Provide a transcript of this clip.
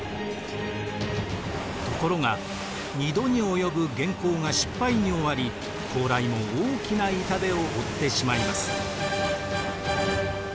ところが２度に及ぶ元寇が失敗に終わり高麗も大きな痛手を負ってしまいます。